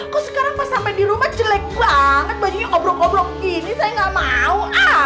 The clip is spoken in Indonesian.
kok sekarang pas sampai di rumah jelek banget bajunya obrok ngobrol ini saya gak mau ah